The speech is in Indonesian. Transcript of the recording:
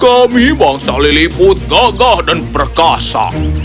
kami bangsa lilliput gagah dan perkataan